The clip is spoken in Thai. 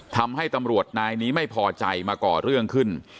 ทำให้ตำรวจนายนี้ไม่พอใจมาก่อเรื่องขึ้น